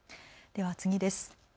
では次です。